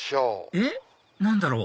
えっ何だろう？